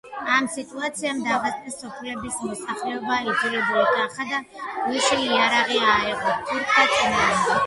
ამ სიტუაციამ დაღესტნის სოფლების მოსახლეობა იძულებული გახადა ხელში იარაღი აეღოთ თურქთა წინააღმდეგ.